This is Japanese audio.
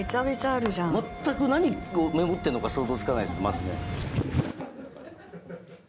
まったく何をメモってんのか想像つかないですまずね。